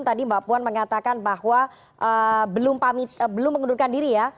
tadi mbak puan mengatakan bahwa belum mengundurkan diri ya